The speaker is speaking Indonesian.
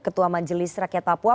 ketua majelis rakyat papua